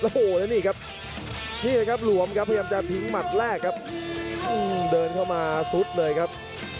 แลุ้โหนี่ครับลวมพิมพ์มันสุดเลยครับ